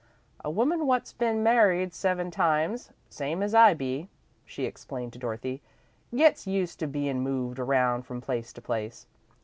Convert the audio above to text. "A woman what's been married seven times, same as I be," she explained to Dorothy, "gets used to bein' moved around from place to place.